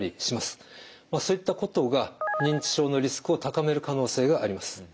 そういったことが認知症のリスクを高める可能性があります。